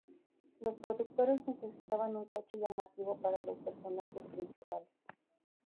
Los productores necesitaban un coche llamativo para los personajes principales.